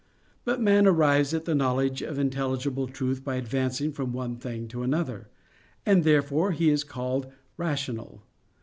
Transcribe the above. But man arrives at the knowledge of intelligible truth by advancing from one thing to another; and therefore he is called rational.